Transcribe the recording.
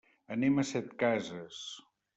Anem a Setcases.